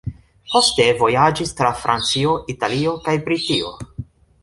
Poste vojaĝis tra Francio, Italio kaj Britio.